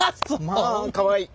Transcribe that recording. まあかわいい。